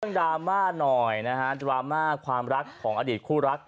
ดราม่าหน่อยนะฮะดราม่าความรักของอดีตคู่รัก